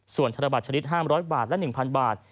ส่วนธนบัตรชนิด๕๐๐บาทและ๑๐๐บาท